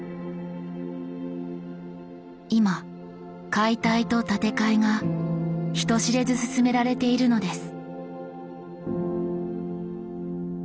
今解体と建て替えが人知れず進められているのです。